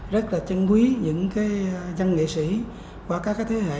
rất là trân quý những dân nghệ sĩ qua các thế hệ